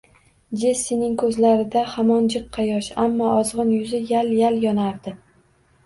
Jessining ko`zlarida hamon jiqqa yosh, ammo ozg`in yuzi yal-yal yonardi